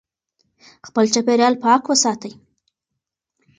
خپل چاپېریال پاک وساتئ.